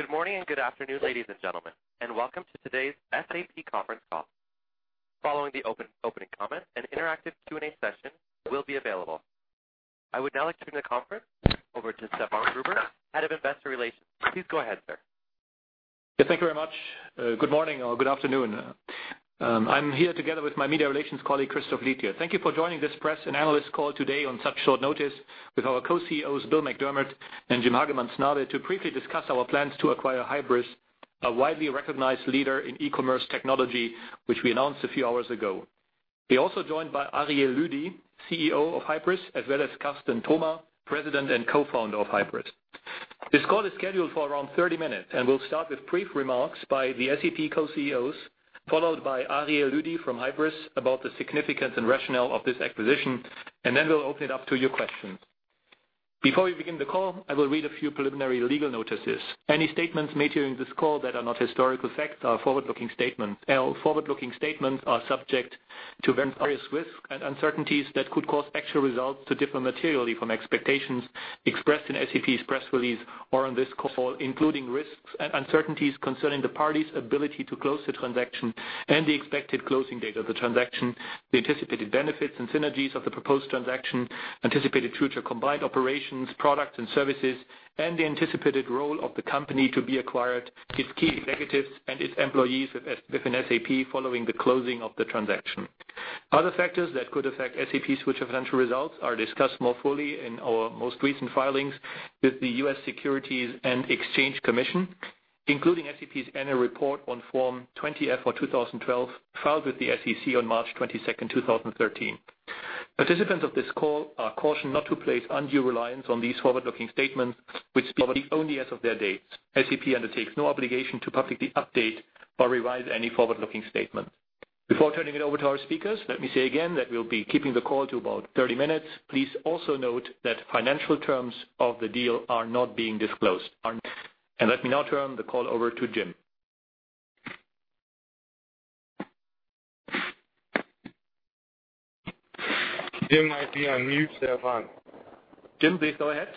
Good morning and good afternoon, ladies and gentlemen, and welcome to today's SAP conference call. Following the opening comment, an interactive Q&A session will be available. I would now like to turn the conference over to Stefan Gruber, Head of Investor Relations. Please go ahead, sir. Thank you very much. Good morning or good afternoon. I'm here together with my media relations colleague, Christoph Tiel. Thank you for joining this press and analyst call today on such short notice with our co-CEOs, Bill McDermott and Jim Hagemann Snabe, to briefly discuss our plans to acquire Hybris, a widely recognized leader in e-commerce technology, which we announced a few hours ago. We are also joined by Ariel Lüdi, CEO of Hybris, as well as Carsten Thoma, President and co-founder of Hybris. This call is scheduled for around 30 minutes. We'll start with brief remarks by the SAP co-CEOs, followed by Ariel Lüdi from Hybris about the significance and rationale of this acquisition. Then we'll open it up to your questions. Before we begin the call, I will read a few preliminary legal notices. Any statements made during this call that are not historical facts are forward-looking statements. Forward-looking statements are subject to various risks and uncertainties that could cause actual results to differ materially from expectations expressed in SAP's press release or on this call, including risks and uncertainties concerning the parties' ability to close the transaction and the expected closing date of the transaction, the anticipated benefits and synergies of the proposed transaction, anticipated future combined operations, products and services, and the anticipated role of the company to be acquired, its key executives, and its employees within SAP following the closing of the transaction. Other factors that could affect SAP's future financial results are discussed more fully in our most recent filings with the U.S. Securities and Exchange Commission, including SAP's Annual Report on Form 20-F for 2012, filed with the SEC on March 22nd, 2013. Participants of this call are cautioned not to place undue reliance on these forward-looking statements, which speak only as of their dates. SAP undertakes no obligation to publicly update or revise any forward-looking statements. Before turning it over to our speakers, let me say again that we'll be keeping the call to about 30 minutes. Please also note that financial terms of the deal are not being disclosed. Let me now turn the call over to Jim. Jim might be on mute, Stefan. Jim, please go ahead.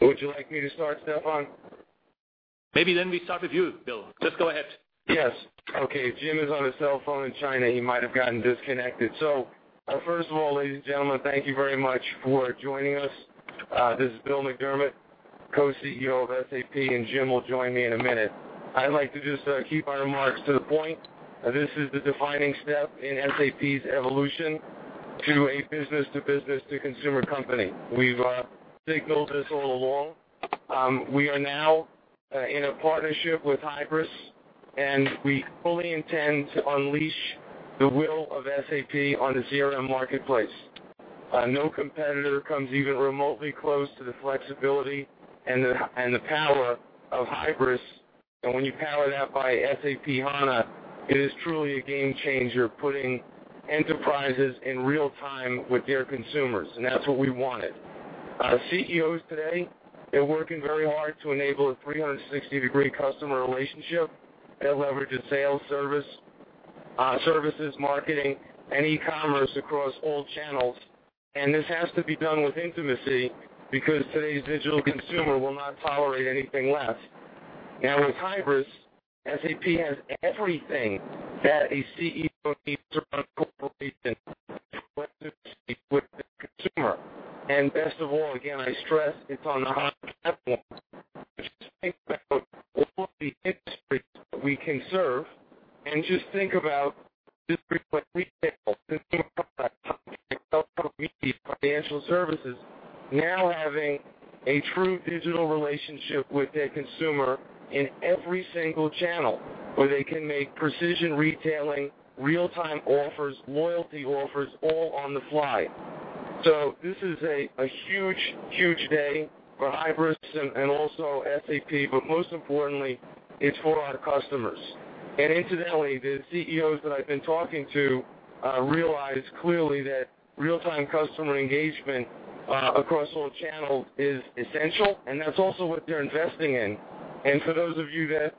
Would you like me to start, Stefan? Maybe then we start with you, Bill. Just go ahead. Yes. Okay. Jim is on his cell phone in China. He might have gotten disconnected. First of all, ladies and gentlemen, thank you very much for joining us. This is Bill McDermott, Co-CEO of SAP, and Jim will join me in a minute. I'd like to just keep our remarks to the point. This is the defining step in SAP's evolution to a B2B2C company. We've signaled this all along. We are now in a partnership with Hybris, and we fully intend to unleash the will of SAP on the CRM marketplace. No competitor comes even remotely close to the flexibility and the power of Hybris. When you power that by SAP HANA, it is truly a game changer, putting enterprises in real time with their consumers, and that's what we wanted. CEOs today are working very hard to enable a 360-degree customer relationship that leverages sales, services, marketing, and e-commerce across all channels. This has to be done with intimacy because today's digital consumer will not tolerate anything less. Now with Hybris, SAP has everything that a CEO needs to run a corporation with the consumer. Best of all, again, I stress it's on the HANA platform. Just think about all the industries that we can serve, and just think about districts like retail, consumer products, public sector, media, financial services, now having a true digital relationship with their consumer in every single channel. Where they can make precision retailing, real-time offers, loyalty offers, all on the fly. This is a huge day for Hybris and also SAP, but most importantly, it's for our customers. Incidentally, the CEOs that I've been talking to realize clearly that real-time customer engagement across all channels is essential, and that's also what they're investing in. For those of you that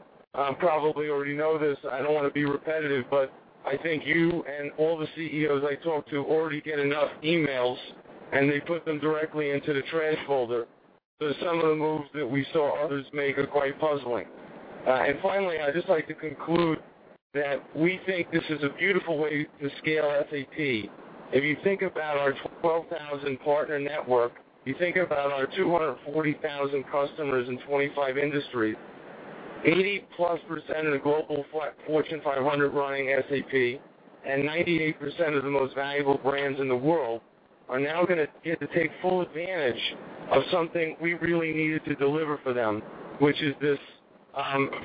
probably already know this, I don't want to be repetitive, but I think you and all the CEOs I talk to already get enough emails, and they put them directly into the trash folder. Some of the moves that we saw others make are quite puzzling. Finally, I'd just like to conclude that we think this is a beautiful way to scale SAP. If you think about our 12,000 partner network, you think about our 240,000 customers in 25 industries, 80+% of the global Fortune 500 running SAP, and 98% of the most valuable brands in the world are now going to get to take full advantage of something we really needed to deliver for them, which is this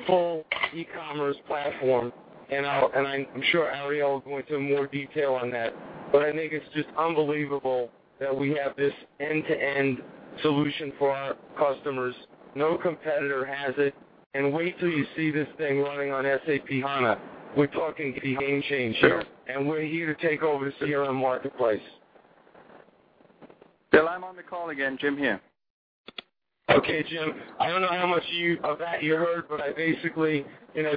full e-commerce platform. I'm sure Ariel will go into more detail on that, but I think it's just unbelievable that we have this end-to-end solution for our customers. No competitor has it. Wait till you see this thing running on SAP HANA. We're talking game changer, and we're here to take over the CRM marketplace. Bill, I'm on the call again. Jim here. Okay, Jim. I don't know how much of that you heard, but I basically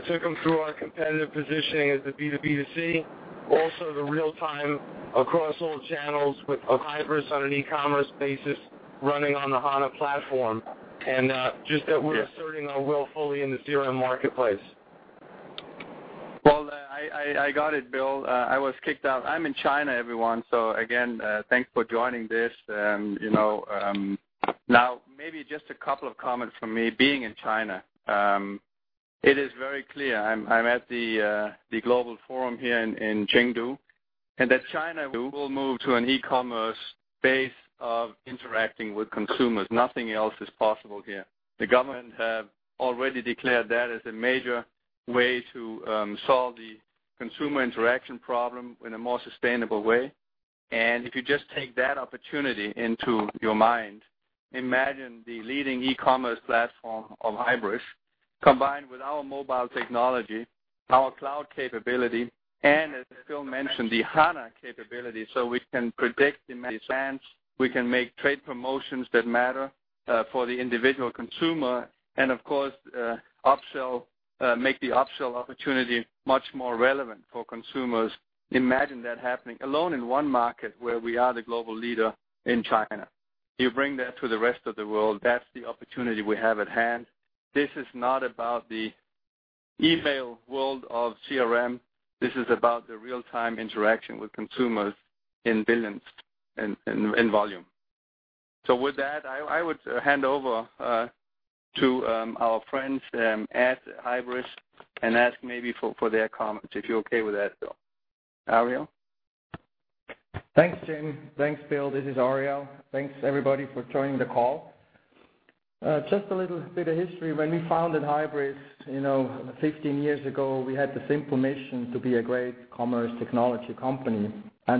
took them through our competitive positioning as a B2B2C. Also, the real time across all channels with Hybris on an e-commerce basis running on the HANA platform. Just that we're asserting our will fully in the CRM marketplace. Well, I got it, Bill. I was kicked out. I'm in China, everyone. Again, thanks for joining this. Maybe just a couple of comments from me being in China. It is very clear, I'm at the global forum here in Chengdu, that China will move to an e-commerce base of interacting with consumers. Nothing else is possible here. The government have already declared that as a major way to solve the consumer interaction problem in a more sustainable way. If you just take that opportunity into your mind, imagine the leading e-commerce platform of Hybris, combined with our mobile technology, our cloud capability, and as Bill mentioned, the HANA capability, so we can predict demand, we can make trade promotions that matter for the individual consumer and, of course, make the upsell opportunity much more relevant for consumers. Imagine that happening alone in one market where we are the global leader in China. You bring that to the rest of the world, that's the opportunity we have at hand. This is not about the email world of CRM. This is about the real-time interaction with consumers in billions in volume. With that, I would hand over to our friends at Hybris and ask maybe for their comments, if you're okay with that, Bill. Ariel? Thanks, Jim. Thanks, Bill. This is Ariel. Thanks, everybody, for joining the call. Just a little bit of history. When we founded Hybris 15 years ago, we had the simple mission to be a great commerce technology company.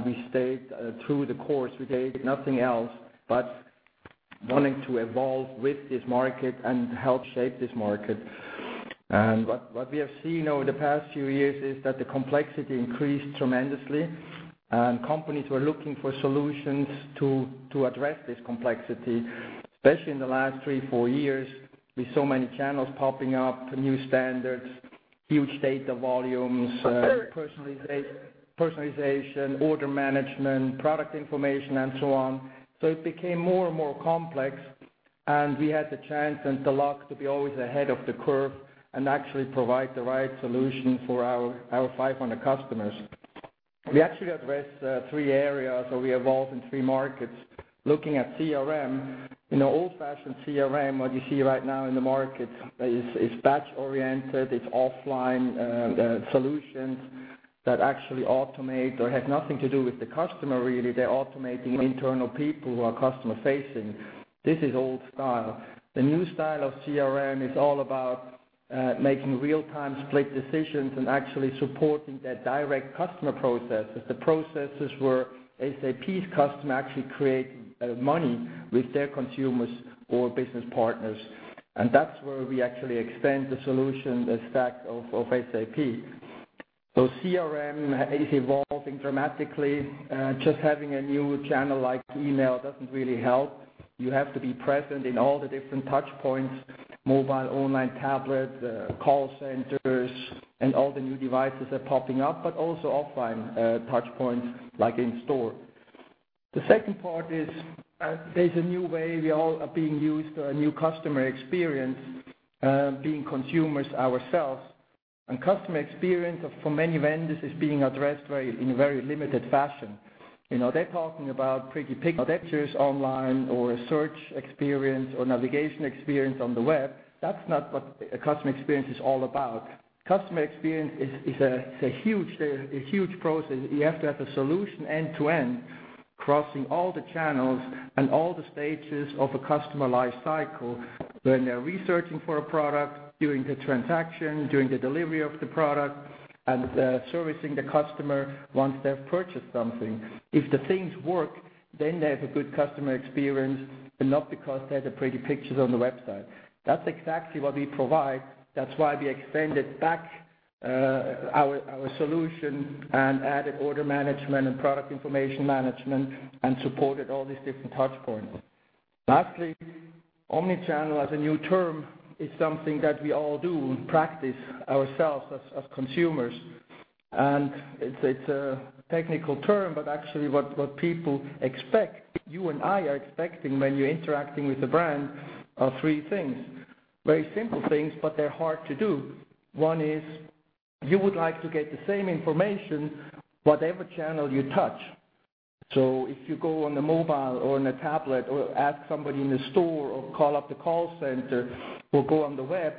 We stayed through the course. We did nothing else but wanting to evolve with this market and help shape this market. What we have seen over the past few years is that the complexity increased tremendously. Companies were looking for solutions to address this complexity, especially in the last three, four years, with so many channels popping up, new standards, huge data volumes, personalization, order management, product information, and so on. It became more and more complex, and we had the chance and the luck to be always ahead of the curve and actually provide the right solution for our 500 customers. We actually address three areas, or we evolved in three markets. Looking at CRM, old-fashioned CRM, what you see right now in the market, is batch-oriented. It's offline solutions that actually automate or have nothing to do with the customer, really. They're automating internal people who are customer facing. This is old style. The new style of CRM is all about making real-time split decisions and actually supporting that direct customer process, that the processes where SAP's customer actually create money with their consumers or business partners. That's where we actually extend the solution, the stack of SAP. CRM is evolving dramatically. Just having a new channel like email doesn't really help. You have to be present in all the different touch points, mobile, online, tablet, call centers, and all the new devices are popping up, but also offline touch points like in store. The second part is, there's a new way we all are being used to a new customer experience, being consumers ourselves. Customer experience for many vendors is being addressed in a very limited fashion. They're talking about pretty pictures online or a search experience or navigation experience on the web. That's not what a customer experience is all about. Customer experience is a huge process. You have to have the solution end to end, crossing all the channels and all the stages of a customer life cycle. When they're researching for a product, during the transaction, during the delivery of the product, and servicing the customer once they've purchased something. If the things work, then they have a good customer experience, and not because they had the pretty pictures on the website. That's exactly what we provide. That's why we extended back our solution and added order management and product information management and supported all these different touchpoints. Lastly, omnichannel as a new term, is something that we all do practice ourselves as consumers. It's a technical term, but actually what people expect, you and I are expecting when you're interacting with a brand, are three things. Very simple things, but they're hard to do. One is you would like to get the same information, whatever channel you touch. If you go on a mobile or on a tablet or ask somebody in the store or call up the call center or go on the web,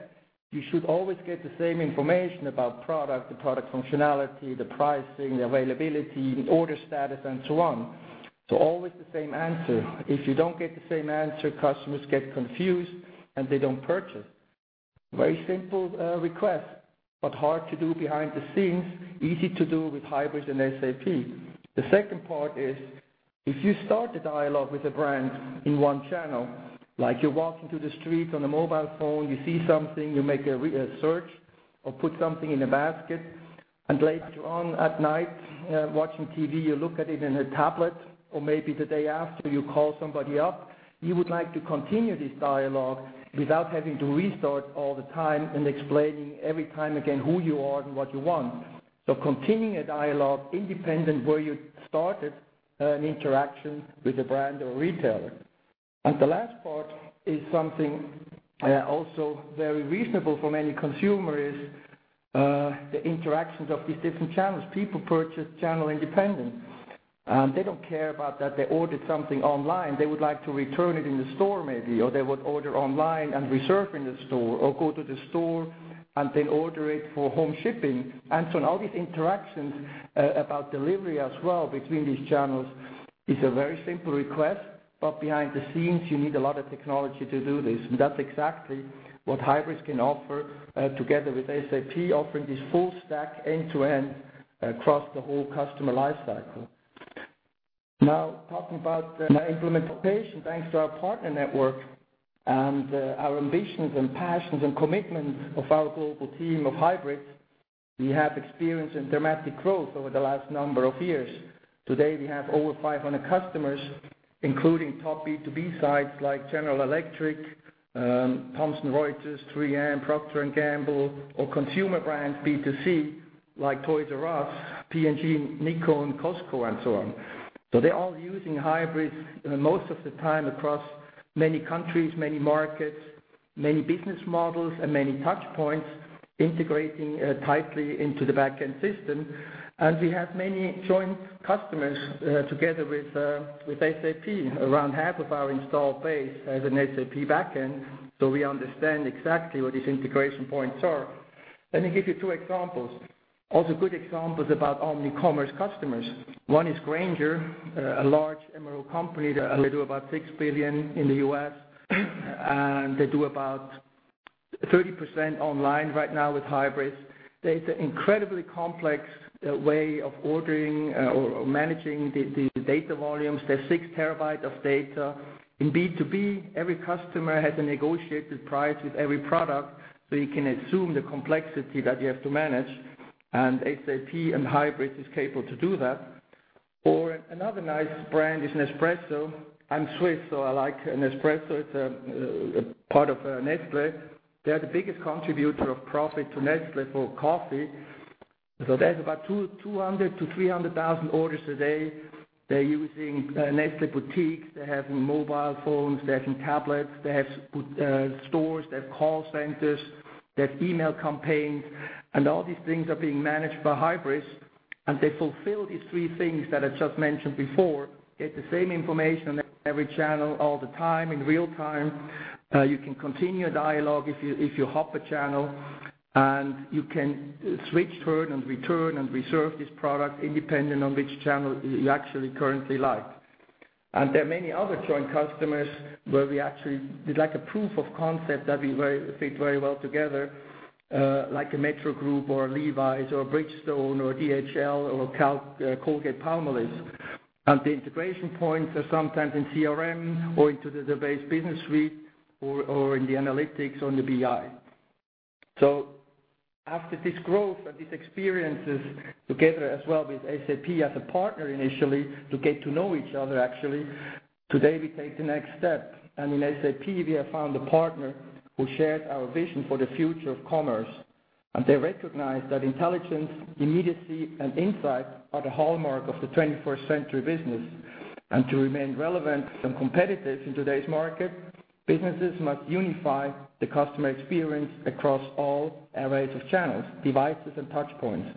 you should always get the same information about product, the product functionality, the pricing, the availability, the order status, and so on. Always the same answer. If you don't get the same answer, customers get confused, and they don't purchase. Very simple request, but hard to do behind the scenes, easy to do with Hybris and SAP. The second part is if you start a dialogue with a brand in one channel, like you're walking through the street on a mobile phone, you see something, you make a search or put something in a basket. Later on at night, watching TV, you look at it in a tablet, or maybe the day after you call somebody up. You would like to continue this dialogue without having to restart all the time and explaining every time again who you are and what you want. Continuing a dialogue independent where you started an interaction with a brand or retailer. The last part is something also very reasonable for many consumer is, the interactions of these different channels. People purchase channel independent. They don't care about that they ordered something online. They would like to return it in the store maybe, or they would order online and reserve in the store, or go to the store and then order it for home shipping. All these interactions about delivery as well between these channels is a very simple request, but behind the scenes you need a lot of technology to do this. That's exactly what Hybris can offer, together with SAP offering this full stack end-to-end across the whole customer life cycle. Now, talking about my implementation, thanks to our partner network and our ambitions and passions and commitment of our global team of Hybris, we have experienced a dramatic growth over the last number of years. Today, we have over 500 customers, including top B2B sites like General Electric, Thomson Reuters, 3M, Procter & Gamble, or consumer brands, B2C, like Toys "R" Us, P&G, Nikon, Costco, and so on. They're all using Hybris, most of the time across many countries, many markets, many business models, and many touch points, integrating tightly into the backend system. We have many joint customers together with SAP. Around half of our installed base has an SAP backend, so we understand exactly what these integration points are. Let me give you two examples, also good examples about omnicommerce customers. One is Grainger, a large MRO company that do about $6 billion in the U.S., and they do about 30% online right now with Hybris. They have an incredibly complex way of ordering or managing the data volumes. They have six terabytes of data. In B2B, every customer has a negotiated price with every product, you can assume the complexity that you have to manage, SAP and Hybris is capable to do that. Another nice brand is Nespresso. I'm Swiss, so I like Nespresso. It's a part of Nestlé. They are the biggest contributor of profit to Nestlé for coffee. They have about 200,000-300,000 orders a day. They're using Nespresso boutiques. They have mobile phones. They have tablets. They have stores. They have call centers. They have email campaigns, all these things are being managed by Hybris, and they fulfill these three things that I just mentioned before. Get the same information on every channel all the time in real time. You can continue a dialogue if you hop a channel and you can switch, turn, and return and reserve this product independent on which channel you actually currently like. There are many other joint customers where we actually did like a proof of concept that we fit very well together, like a Metro AG or Levi's or Bridgestone or DHL or Colgate-Palmolive. The integration points are sometimes in CRM or into the database business suite or in the analytics on the BI. After this growth and these experiences together as well with SAP as a partner initially to get to know each other, actually, today we take the next step. In SAP, we have found a partner who shares our vision for the future of commerce, and they recognize that intelligence, immediacy, and insight are the hallmark of the 21st century business. To remain relevant and competitive in today's market, businesses must unify the customer experience across all arrays of channels, devices, and touch points.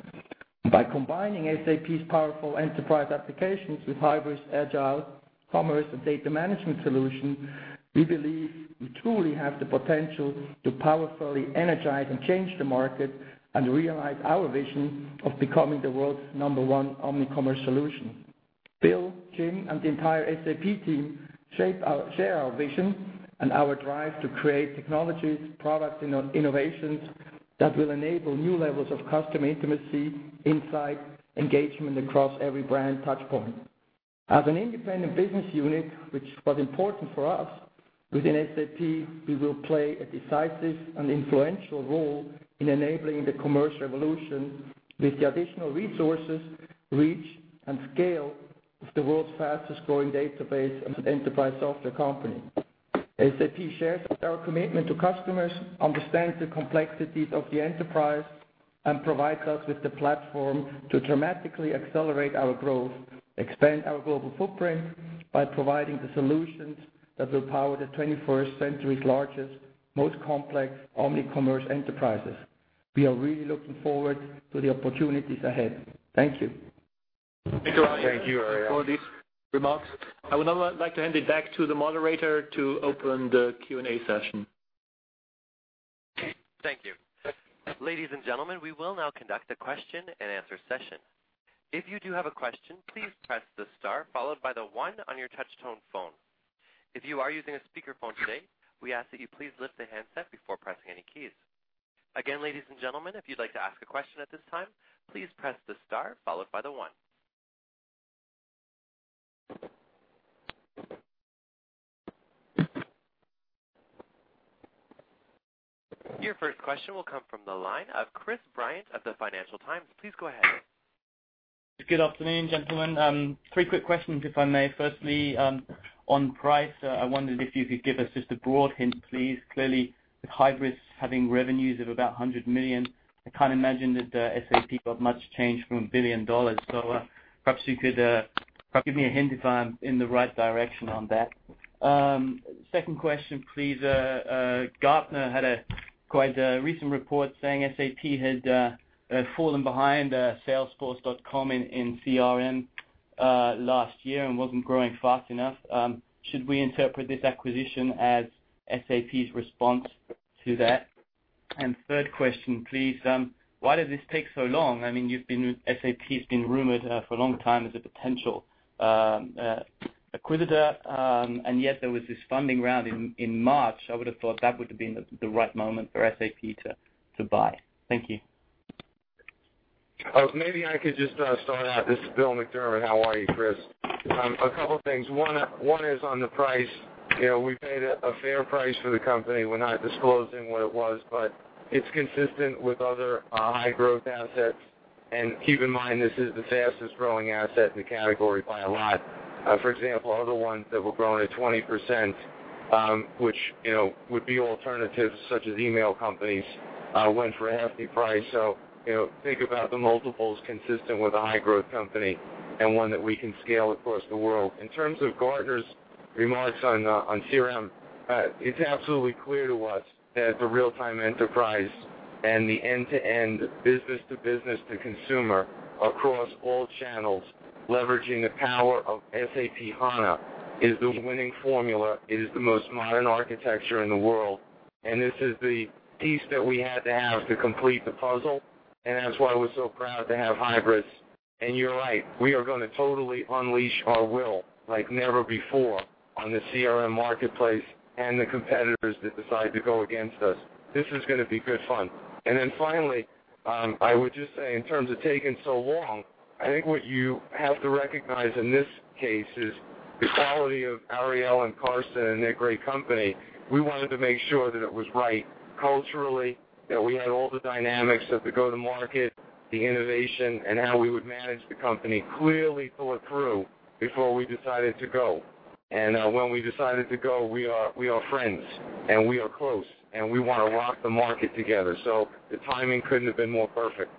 By combining SAP's powerful enterprise applications with Hybris agile commerce and data management solution, we believe we truly have the potential to powerfully energize and change the market and realize our vision of becoming the world's number one omnicommerce solution. Bill, Jim, and the entire SAP team share our vision and our drive to create technologies, products, innovations that will enable new levels of customer intimacy, insight, engagement across every brand touch point. As an independent business unit, which was important for us, within SAP, we will play a decisive and influential role in enabling the commerce revolution with the additional resources, reach, and scale of the world's fastest-growing database as an enterprise software company. SAP shares our commitment to customers, understands the complexities of the enterprise, and provides us with the platform to dramatically accelerate our growth, expand our global footprint by providing the solutions that will power the 21st century's largest, most complex omnicommerce enterprises. We are really looking forward to the opportunities ahead. Thank you. Thank you, Ariel, for these remarks. I would now like to hand it back to the moderator to open the Q&A session. Thank you. Ladies and gentlemen, we will now conduct a question and answer session. If you do have a question, please press the star followed by the one on your touch tone phone. If you are using a speakerphone today, we ask that you please lift the handset before pressing any keys. Again, ladies and gentlemen, if you'd like to ask a question at this time, please press the star followed by the one. Your first question will come from the line of Chris Bryant of the Financial Times. Please go ahead. Good afternoon, gentlemen. Three quick questions, if I may. Firstly, on price, I wondered if you could give us just a broad hint, please. Clearly, with Hybris having revenues of about 100 million, I can't imagine that SAP got much change from EUR 1 billion. Perhaps you could give me a hint if I'm in the right direction on that. Second question, please. Gartner had quite a recent report saying SAP had fallen behind Salesforce.com in CRM last year and wasn't growing fast enough. Should we interpret this acquisition as SAP's response to that? Third question, please. Why did this take so long? SAP's been rumored for a long time as a potential acquiritor, yet there was this funding round in March. I would have thought that would have been the right moment for SAP to buy. Thank you. Maybe I could just start out. This is Bill McDermott. How are you, Chris? A couple of things. One is on the price. We paid a fair price for the company. We're not disclosing what it was, but it's consistent with other high-growth assets. Keep in mind, this is the fastest-growing asset in the category by a lot. For example, other ones that were growing at 20%, which would be alternatives such as email companies, went for a hefty price. Think about the multiples consistent with a high-growth company and one that we can scale across the world. In terms of Gartner's remarks on CRM, it's absolutely clear to us that the real-time enterprise and the end-to-end business-to-business to consumer across all channels, leveraging the power of SAP HANA, is the winning formula. It is the most modern architecture in the world, this is the piece that we had to have to complete the puzzle, and that's why we're so proud to have Hybris. You're right, we are going to totally unleash our will like never before on the CRM marketplace and the competitors that decide to go against us. This is going to be good fun. Finally, I would just say in terms of taking so long, I think what you have to recognize in this case is the quality of Ariel and Carsten and their great company. We wanted to make sure that it was right culturally, that we had all the dynamics of the go-to-market, the innovation, and how we would manage the company, clearly thought through before we decided to go. When we decided to go, we are friends, and we are close, and we want to rock the market together. The timing couldn't have been more perfect.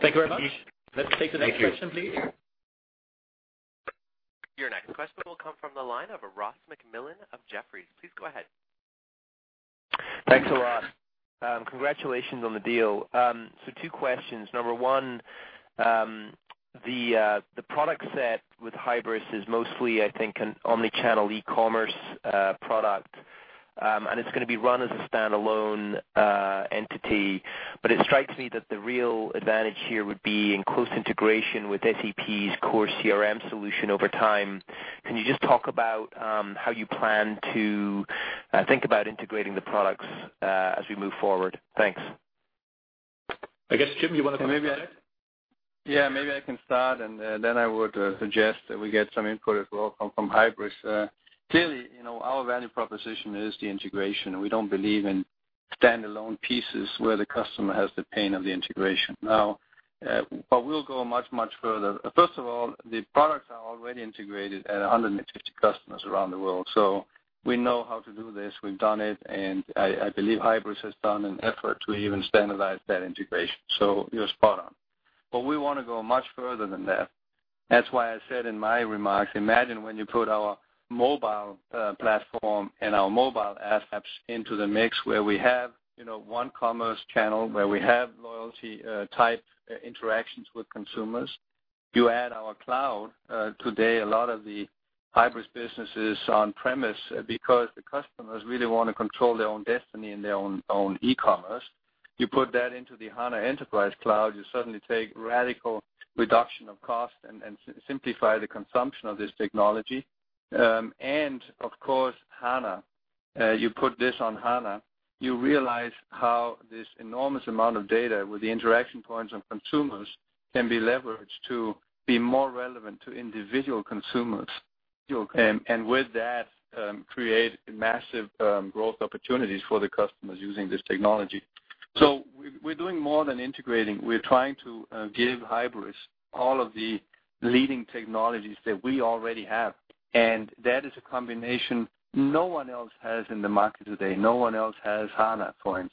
Thank you very much. Thank you. Let's take the next question, please. Your next question will come from the line of Ross MacMillan of Jefferies. Please go ahead. Thanks a lot. Congratulations on the deal. Two questions. Number one, the product set with Hybris is mostly, I think, an omnichannel e-commerce product. It's going to be run as a standalone entity. It strikes me that the real advantage here would be in close integration with SAP's core CRM solution over time. Can you just talk about how you plan to think about integrating the products as we move forward? Thanks. I guess, Jim, you want to come in on that? Maybe I can start. Then I would suggest that we get some input as well from Hybris. Clearly, our value proposition is the integration. We don't believe in standalone pieces where the customer has the pain of the integration. We'll go much, much further. First of all, the products are already integrated at 150 customers around the world. We know how to do this. We've done it, and I believe Hybris has done an effort to even standardize that integration. You're spot on. We want to go much further than that. That's why I said in my remarks, imagine when you put our mobile platform and our mobile apps into the mix where we have one commerce channel, where we have loyalty-type interactions with consumers. You add our cloud. Today, a lot of the Hybris business is on-premise because the customers really want to control their own destiny and their own e-commerce. You put that into the HANA Enterprise Cloud, you suddenly take radical reduction of cost and simplify the consumption of this technology. Of course, HANA, you put this on HANA, you realize how this enormous amount of data with the interaction points on consumers can be leveraged to be more relevant to individual consumers. With that, create massive growth opportunities for the customers using this technology. We're doing more than integrating. We're trying to give Hybris all of the leading technologies that we already have. That is a combination no one else has in the market today. No one else has HANA, for instance.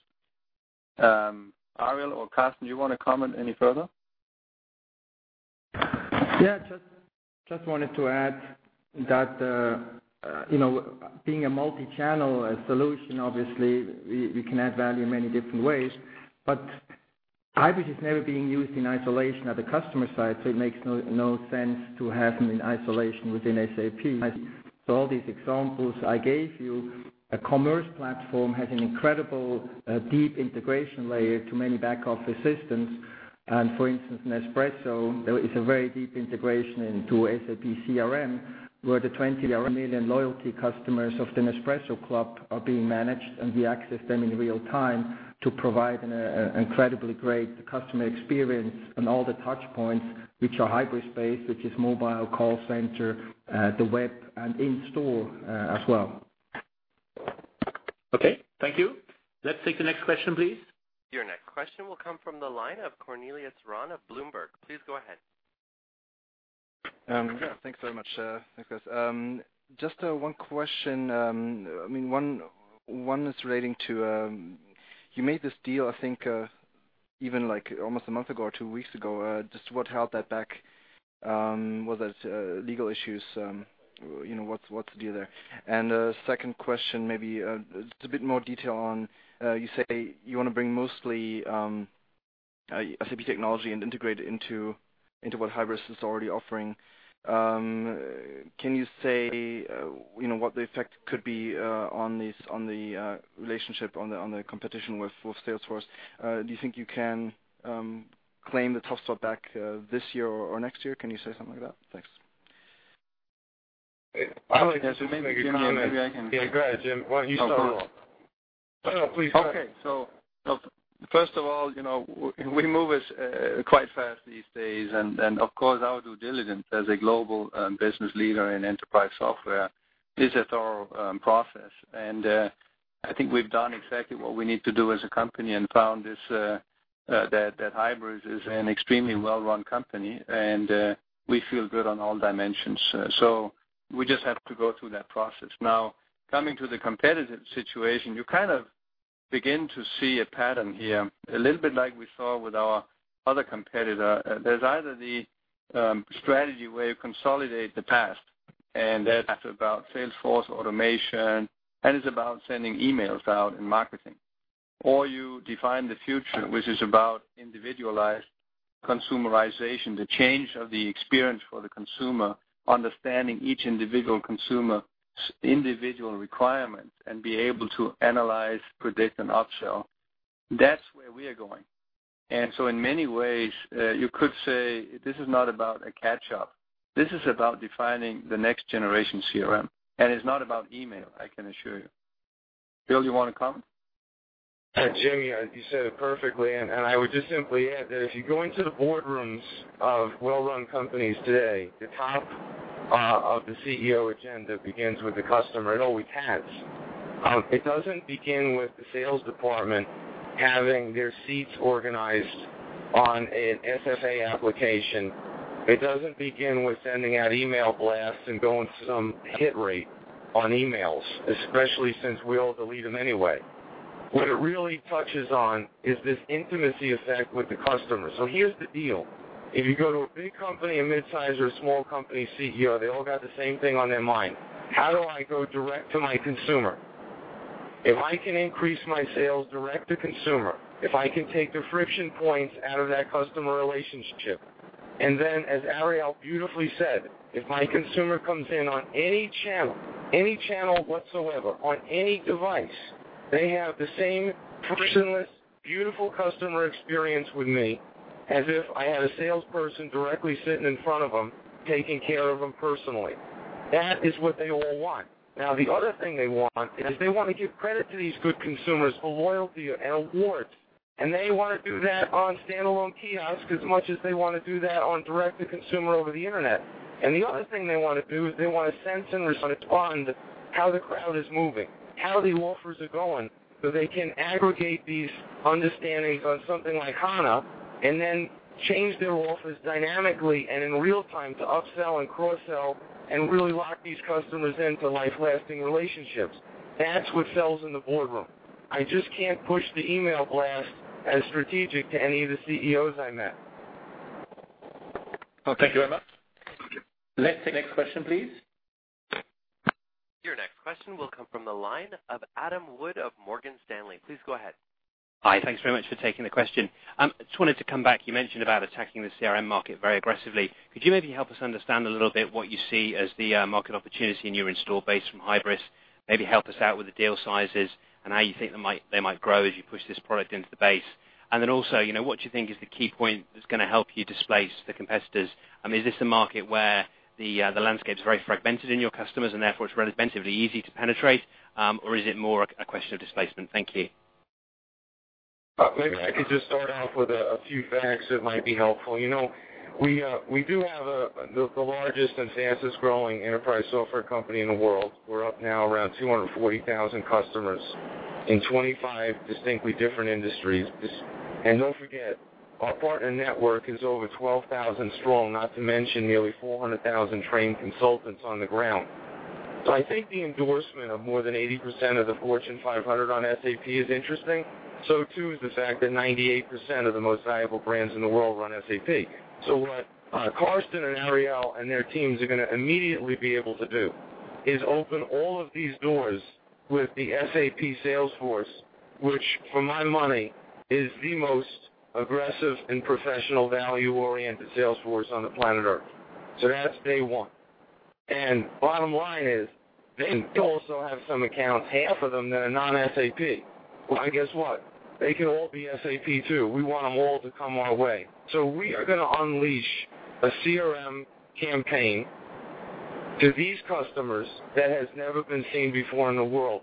Ariel or Carsten, do you want to comment any further? Yeah, just wanted to add that being a multi-channel solution, obviously, we can add value in many different ways. Hybris is never being used in isolation at the customer site, so it makes no sense to have them in isolation within SAP. All these examples I gave you, a commerce platform has an incredible deep integration layer to many back-office systems. For instance, Nespresso, there is a very deep integration into SAP CRM, where the 20 million loyalty customers of the Nespresso club are being managed, and we access them in real time to provide an incredibly great customer experience on all the touch points, which are Hybris based, which is mobile call center, the web, and in store as well. Okay, thank you. Let's take the next question, please. Your next question will come from the line of Cornelius Rahn of Bloomberg. Please go ahead. Yeah, thanks very much. Thanks, guys. Just one question. One is relating to you made this deal, I think, even almost a month ago or two weeks ago. Just what held that back? Was it legal issues? What's the deal there? A second question, maybe, just a bit more detail on you say you want to bring mostly SAP technology and integrate it into what Hybris is already offering. Can you say what the effect could be on the relationship, on the competition with Salesforce? Do you think you can claim the top spot back this year or next year? Can you say something about that? Thanks. I'd like to just make a comment. Yeah, go ahead, Jim. Why don't you start it off? No, please. Okay. First of all, we move quite fast these days, and of course, our due diligence as a global business leader in enterprise software is a thorough process. I think we've done exactly what we need to do as a company and found that Hybris is an extremely well-run company, and we feel good on all dimensions. We just have to go through that process. Now, coming to the competitive situation, you kind of begin to see a pattern here, a little bit like we saw with our other competitor. There's either the strategy where you consolidate the past, and that's about sales force automation, and it's about sending emails out and marketing. You define the future, which is about individualized consumerization, the change of the experience for the consumer, understanding each individual consumer's individual requirements, and be able to analyze, predict, and upsell. That's where we are going. In many ways, you could say this is not about a catch-up. This is about defining the next generation CRM, and it's not about email, I can assure you. Bill, you want to comment? Jim, you said it perfectly. I would just simply add that if you go into the boardrooms of well-run companies today, the top of the CEO agenda begins with the customer. It always has. It doesn't begin with the sales department having their seats organized on an SFA application. It doesn't begin with sending out email blasts and going for some hit rate on emails, especially since we all delete them anyway. What it really touches on is this intimacy effect with the customer. Here's the deal. If you go to a big company, a midsize, or a small company CEO, they all got the same thing on their mind. How do I go direct to my consumer? If I can increase my sales direct to consumer, if I can take the friction points out of that customer relationship, and then, as Ariel beautifully said, if my consumer comes in on any channel whatsoever, on any device, they have the same frictionless, beautiful customer experience with me as if I had a salesperson directly sitting in front of them, taking care of them personally. That is what they all want. Now, the other thing they want is they want to give credit to these good consumers for loyalty and awards, and they want to do that on standalone kiosks as much as they want to do that on direct to consumer over the Internet. The other thing they want to do is they want to sense and respond how the crowd is moving, how the offers are going, so they can aggregate these understandings on something like HANA and then change their offers dynamically and in real time to upsell and cross-sell and really lock these customers into life-lasting relationships. That's what sells in the boardroom. I just can't push the email blast as strategic to any of the CEOs I met. Okay. Thank you very much. Thank you. Let's take the next question, please. Your next question will come from the line of Adam Wood of Morgan Stanley. Please go ahead. Hi. Thanks very much for taking the question. Just wanted to come back. You mentioned about attacking the CRM market very aggressively. Could you maybe help us understand a little bit what you see as the market opportunity in your install base from Hybris? Maybe help us out with the deal sizes and how you think they might grow as you push this product into the base. What do you think is the key point that's going to help you displace the competitors? I mean, is this a market where the landscape is very fragmented in your customers, and therefore it's relatively easy to penetrate? Or is it more a question of displacement? Thank you. Maybe I could just start off with a few facts that might be helpful. We do have the largest and fastest-growing enterprise software company in the world. We're up now around 240,000 customers in 25 distinctly different industries. Don't forget, our partner network is over 12,000 strong, not to mention nearly 400,000 trained consultants on the ground. I think the endorsement of more than 80% of the Fortune 500 on SAP is interesting. Too is the fact that 98% of the most valuable brands in the world run SAP. What Carsten and Ariel and their teams are going to immediately be able to do is open all of these doors with the SAP sales force, which for my money, is the most aggressive and professional value-oriented sales force on the planet Earth. That's day one. Bottom line is they also have some accounts, half of them that are non-SAP. Well, guess what? They can all be SAP too. We want them all to come our way. We are going to unleash a CRM campaign to these customers, that has never been seen before in the world.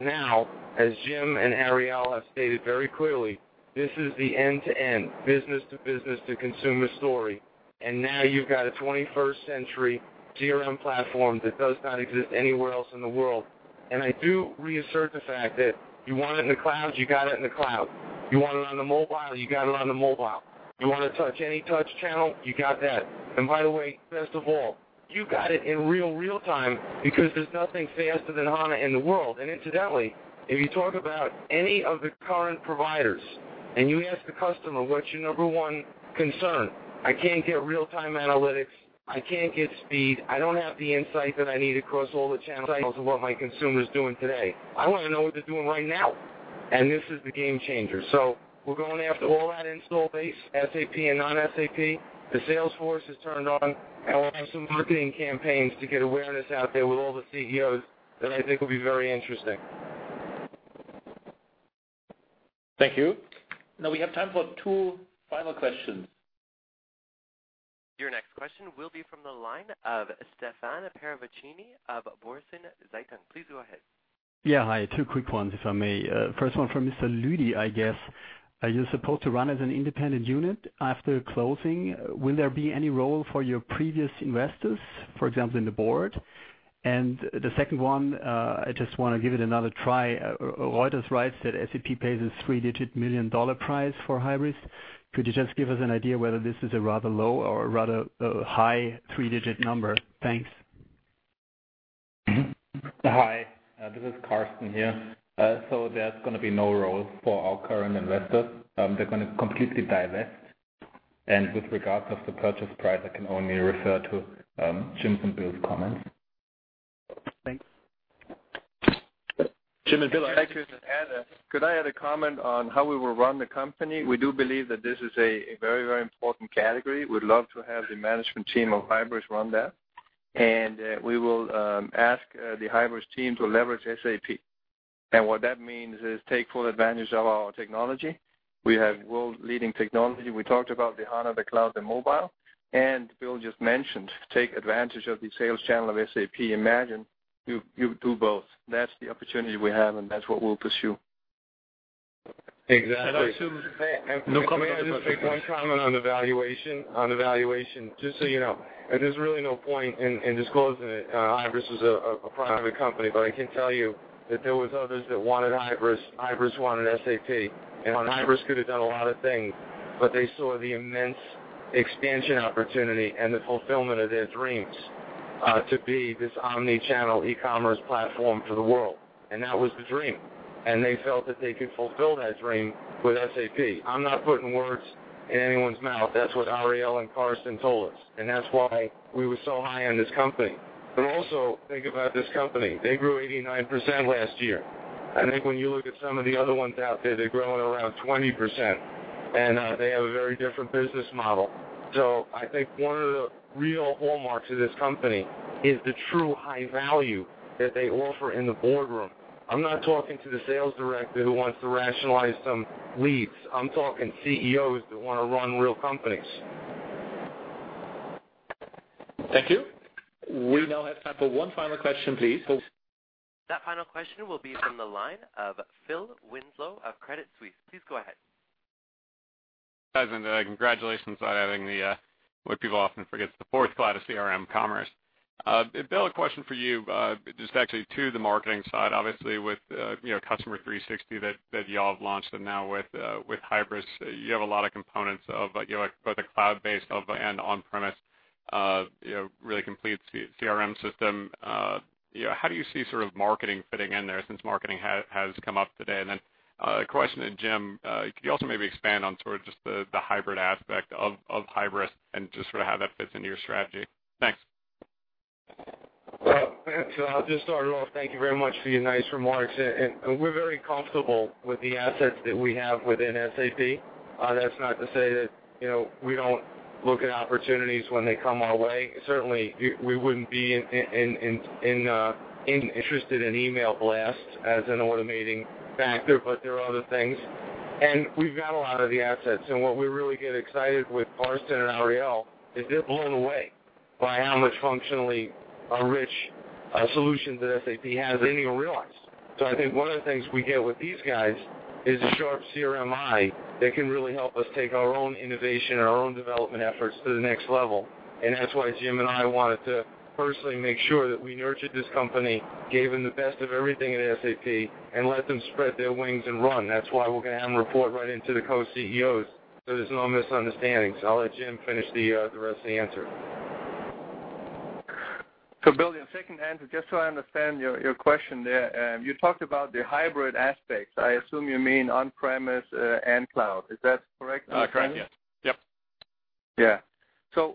Now, as Jim and Ariel have stated very clearly, this is the end-to-end, business-to-business-to-consumer story, and now you've got a 21st century CRM platform that does not exist anywhere else in the world. I do reassert the fact that you want it in the cloud, you got it in the cloud. You want it on the mobile, you got it on the mobile. You want to touch any touch channel, you got that. By the way, best of all, you got it in real-time because there's nothing faster than HANA in the world. Incidentally, if you talk about any of the current providers and you ask the customer, what's your number one concern? I can't get real-time analytics. I can't get speed. I don't have the insight that I need across all the channels of what my consumer's doing today. I want to know what they're doing right now, and this is the game changer. We're going after all that install base, SAP and non-SAP. The sales force is turned on, and we'll have some marketing campaigns to get awareness out there with all the CEOs that I think will be very interesting. Thank you. Now we have time for two final questions. Your next question will be from the line of Stefan Paravicini of Berenberg. Please go ahead. Yeah. Hi. Two quick ones, if I may. First one for Mr. Lüdi, I guess. Are you supposed to run as an independent unit after closing? Will there be any role for your previous investors, for example, in the board? The second one, I just want to give it another try. Reuters writes that SAP pays a three-digit million dollar price for Hybris. Could you just give us an idea whether this is a rather low or a rather high three-digit number? Thanks. Hi, this is Carsten here. There's going to be no role for our current investors. They're going to completely divest. With regards of the purchase price, I can only refer to Jim's and Bill's comments. Thanks. Jim and Bill Actually, could I add a comment on how we will run the company? We do believe that this is a very important category. We'd love to have the management team of Hybris run that. We will ask the Hybris team to leverage SAP. What that means is take full advantage of our technology. We have world-leading technology. We talked about the HANA, the cloud, the mobile, and Bill just mentioned, take advantage of the sales channel of SAP. Imagine you do both. That's the opportunity we have, and that's what we'll pursue. Exactly. No comment on the May I just make one comment on the valuation? Just so you know, there's really no point in disclosing it. Hybris was a private company. I can tell you that there was others that wanted Hybris wanted SAP, and Hybris could have done a lot of things, but they saw the immense expansion opportunity and the fulfillment of their dreams, to be this omnichannel e-commerce platform for the world. That was the dream. They felt that they could fulfill that dream with SAP. I'm not putting words in anyone's mouth. That's what Ariel and Carsten told us, and that's why we were so high on this company. Also, think about this company. They grew 89% last year. I think when you look at some of the other ones out there, they're growing around 20%, and they have a very different business model. I think one of the real hallmarks of this company is the true high value that they offer in the boardroom. I am not talking to the sales director who wants to rationalize some leads. I am talking CEOs that want to run real companies. Thank you. We now have time for one final question, please. That final question will be from the line of Phil Winslow of Credit Suisse. Please go ahead. Guys, congratulations on adding the, what people often forget, the fourth cloud of CRM commerce. Bill, a question for you, just actually to the marketing side, obviously with Customer 360 that you all have launched and now with Hybris, you have a lot of components of both the cloud-based and on-premise really complete CRM system. How do you see sort of marketing fitting in there since marketing has come up today? Then a question to Jim, could you also maybe expand on sort of just the hybrid aspect of Hybris and just sort of how that fits into your strategy? Thanks. I'll just start it off. Thank you very much for your nice remarks. We're very comfortable with the assets that we have within SAP. That's not to say that we don't look at opportunities when they come our way. Certainly, we wouldn't be interested in email blasts as an automating factor, but there are other things, we've got a lot of the assets. What we really get excited with Carsten and Ariel is they're blown away by how much functionally a rich solution that SAP has than they even realized. I think one of the things we get with these guys is a sharp CRM eye that can really help us take our own innovation and our own development efforts to the next level. That's why Jim and I wanted to personally make sure that we nurtured this company, gave them the best of everything at SAP, and let them spread their wings and run. That's why we're going to have them report right into the Co-CEOs, so there's no misunderstandings. I'll let Jim finish the rest of the answer. Bill, your second answer, just so I understand your question there. You talked about the hybrid aspects. I assume you mean on-premise and cloud. Is that correct? Correct, yes. Yep.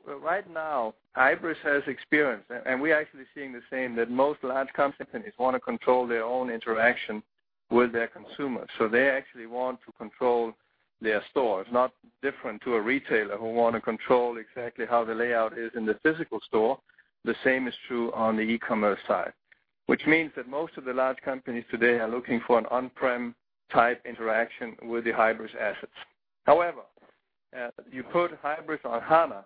Right now, Hybris has experience, and we are actually seeing the same, that most large companies want to control their own interaction with their consumers. They actually want to control their stores, not different to a retailer who want to control exactly how the layout is in the physical store. The same is true on the e-commerce side, which means that most of the large companies today are looking for an on-prem type interaction with the Hybris assets. However, you put Hybris on HANA,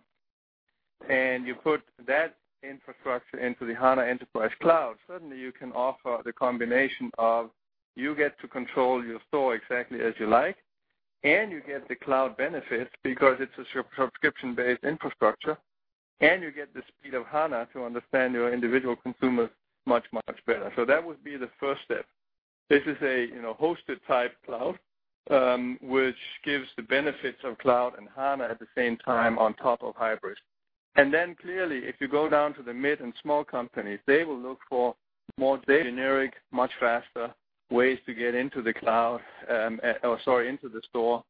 and you put that infrastructure into the SAP HANA Enterprise Cloud, suddenly you can offer the combination of, you get to control your store exactly as you like, and you get the cloud benefits because it's a subscription-based infrastructure, and you get the speed of HANA to understand your individual consumers much, much better. That would be the first step. This is a hosted type cloud, which gives the benefits of cloud and HANA at the same time on top of Hybris. Clearly, if you go down to the mid and small companies, they will look for more generic, much faster ways to get into the cloud, or sorry, into the store.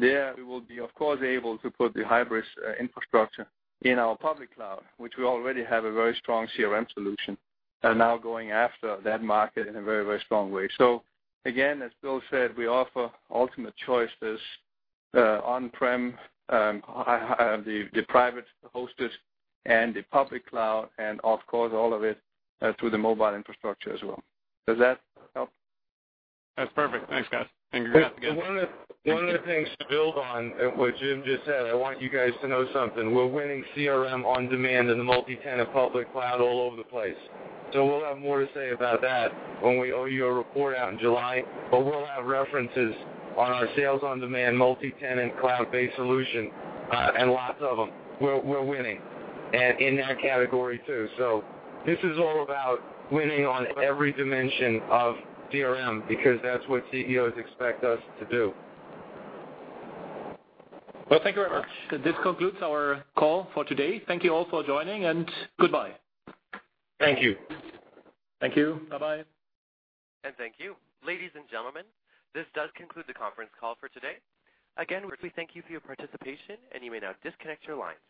There we will be, of course, able to put the Hybris infrastructure in our public cloud, which we already have a very strong CRM solution, and now going after that market in a very, very strong way. Again, as Bill said, we offer ultimate choices, on-prem, the private hosted, and the public cloud, and of course, all of it through the mobile infrastructure as well. Does that help? That's perfect. Thanks, guys. One of the things to build on what Jim just said, I want you guys to know something. We're winning CRM on-demand in the multi-tenant public cloud all over the place. We'll have more to say about that when we owe you a report out in July. We'll have references on our sales on-demand multi-tenant cloud-based solution, and lots of them. We're winning in that category too. This is all about winning on every dimension of CRM because that's what CEOs expect us to do. Well, thank you very much. This concludes our call for today. Thank you all for joining, and goodbye. Thank you. Thank you. Bye-bye. Thank you. Ladies and gentlemen, this does conclude the conference call for today. Again, we thank you for your participation, and you may now disconnect your lines.